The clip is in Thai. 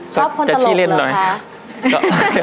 ชอบคนตลกเลยค่ะ